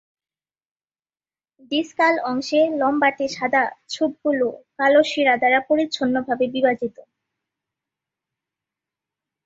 ডিসকাল অংশে লম্বাটে সাদা ছোপগুলি কালো শিরা দ্বারা পরিচ্ছন্ন ভাবে বিভাজিত।